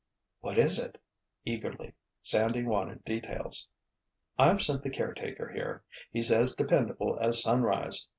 "What is it?" eagerly. Sandy wanted details. "I've sent the caretaker here—he's as dependable as sunrise!